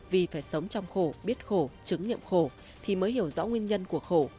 vì phải sống trong khổ biết khổ chứng nghiệm khổ thì mới hiểu rõ nguyên nhân của khổ